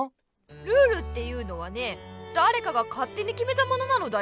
ルールっていうのはねだれかがかってにきめたものなのだよ。